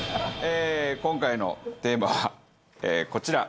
今回のテーマはこちら。